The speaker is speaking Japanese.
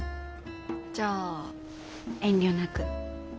じゃあ遠慮なく。